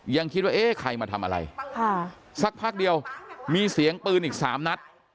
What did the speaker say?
ยังคิดว่าเอ๊ะใครมาทำอะไรสักพักเดียวมีเสียงปืนอีก๓นัด